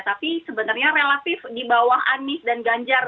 tapi sebenarnya relatif di bawah anies dan ganjar